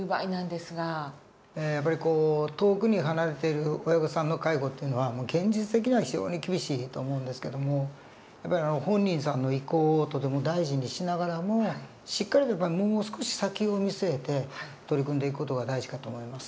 やっぱり遠くに離れている親御さんの介護っていうのは現実的には非常に厳しいと思うんですけどもやっぱり本人さんの意向をとても大事にしながらもしっかりともう少し先を見据えて取り組んでいく事が大事かと思います。